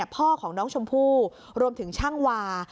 พ่อของน้องชมพู่รวมถึงช่างวา